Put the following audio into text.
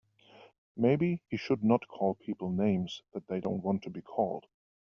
Maybe he should not call people names that they don't want to be called.